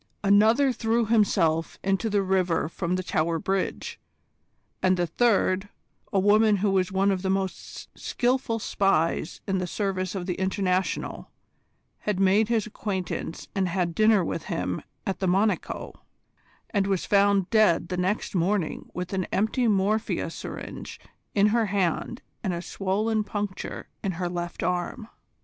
Another threw himself into the river from the Tower Bridge; and the third, a woman who was one of the most skilful spies in the service of the International, had made his acquaintance and had dinner with him at the "Monico," and was found dead the next morning with an empty morphia syringe in her hand and a swollen puncture in her left arm.